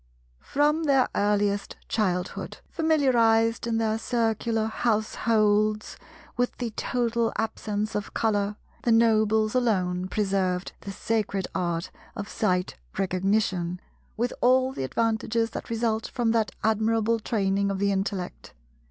From their earliest childhood, familiarized in their Circular households with the total absence of Colour, the Nobles alone preserved the Sacred Art of Sight Recognition, with all the advantages that result from that admirable training of the intellect.